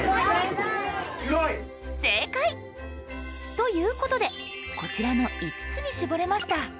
正解！ということでこちらの５つに絞れました。